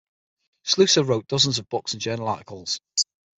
Slusser wrote dozens of books and journal articles.